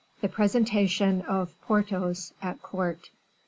The Presentation of Porthos at Court.